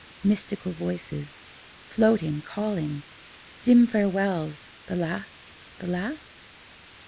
Mystical voices, floating, calling; Dim farewells the last, the last?